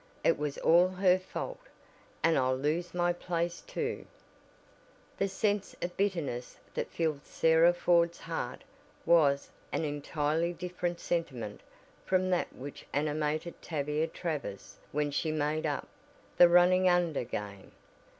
"It was all her fault, and I'll lose my place too." The sense of bitterness that filled Sarah Ford's heart was an entirely different sentiment from that which animated Tavia Travers when she made up, the "running under" game.